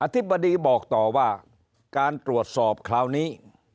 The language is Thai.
ธิบดีบอกต่อว่าการตรวจสอบคราวนี้